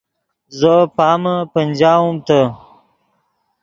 زو پامے پنجاؤم تے